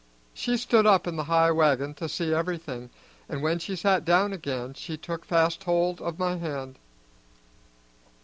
She stood up in the high wagon to see everything, and when she sat down again she took fast hold of my hand.